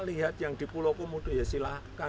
lihat yang di pulau komodo ya silahkan